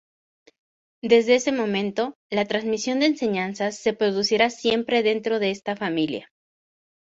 Desde ese momento, la transmisión de enseñanzas se producirá siempre dentro de esta familia.